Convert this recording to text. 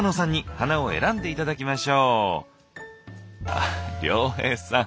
あ亮平さん？